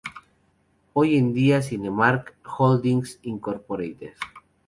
Hoy en día, Cinemark Holdings, Inc.